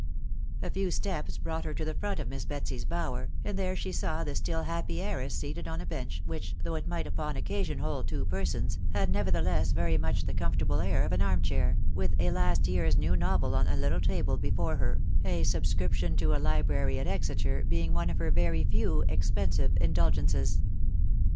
A few steps brought her to the front of Miss Betsy's bower, and there she saw the still happy heiress seated on a beach, which, though it might upon occasion hold two persons, had nevertheless very much the comfortable air of an arm chair, with a last year's new novel on a little table before her (a sub scription to a library at Exeter being one of her very few expensive indulgences).